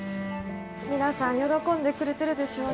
皆さん喜んでくれてるでしょうね。